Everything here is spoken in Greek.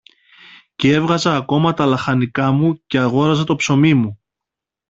κι έβγαζα ακόμα τα λαχανικά μου και αγόραζα το ψωμί μου.